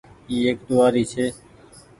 اي ايڪ ڏوهآري ڇي۔